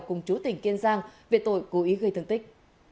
cùng chú tỉnh kiên giang về tội cố ý gây thương tích